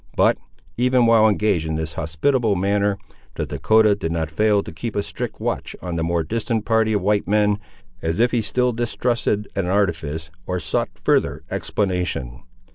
But, even while engaged in this hospitable manner, the Dahcotah did not fail to keep a strict watch on the more distant party of white men, as if he still distrusted an artifice, or sought further explanation.